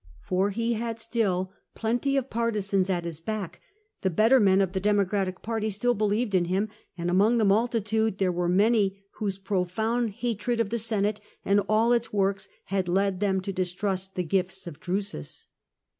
For he had still plenty of partisans at his back : the better men of the Democratic party still believed in him, and among the multitude there were many whose profound hatred for the Senate and all its works had led them to distrust the gifts of Drusus.